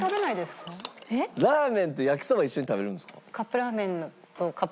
ラーメンと焼きそば一緒に食べるんですか？